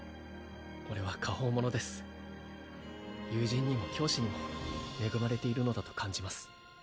俺は果報者です友人にも教師にも恵まれているのだと感じます